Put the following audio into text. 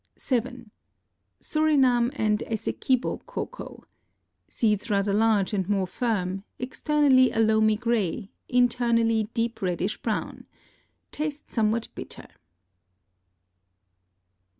7. Surinam and Essequibo Cocoa.—Seeds rather large and more firm; externally a loamy gray, internally deep reddish brown. Taste somewhat bitter.